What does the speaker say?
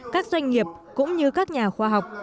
các doanh nghiệp cũng như các nhà khoa học